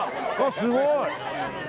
すごい。